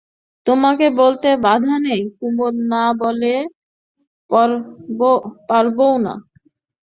তোমাকে বলতে বাধা নেই কুমুদ না বলে পারবও না।